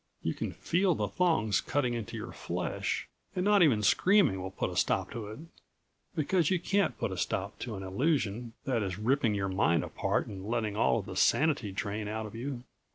You can feel the thongs cutting into your flesh, and not even screaming will put a stop to it, because you can't put a stop to an illusion that is ripping your mind apart and letting all of the sanity drain out of you.